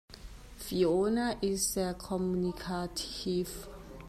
Fiona ist sehr kommunikativ.